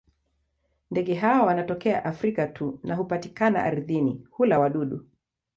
Ndege hawa wanatokea Afrika tu na hupatikana ardhini; hula wadudu.